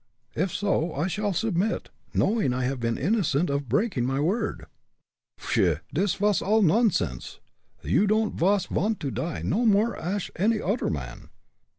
If so, I shall submit, knowing I have been innocent of breaking my word." "Pshaw! dis vos all nonsense! You don'd vas vant to die no more ash any odder man.